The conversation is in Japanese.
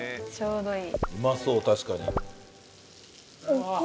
うまそう確かに。